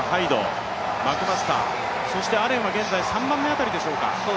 そしてアレンは現在３番目辺りでしょうか？